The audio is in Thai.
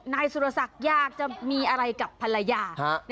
นายสุรศักดิ์อยากจะมีอะไรกับภรรยา